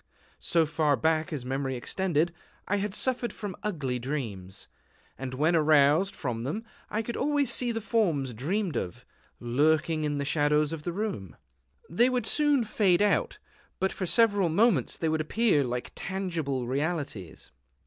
So far back as memory extended, I had suffered from ugly dreams; and when aroused from them I could always see the forms dreamed of, lurking in the shadows of the room. They would soon fade out; but for several moments they would appear like tangible realities.